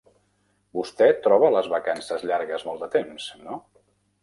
Vostè troba les vacances llargues molt de temps, no?